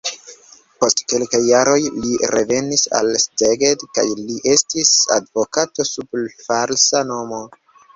Post kelkaj jaroj li revenis al Szeged kaj li estis advokato sub falsa nomo.